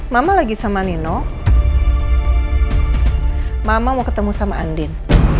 mama sama nino ketemu mbak handin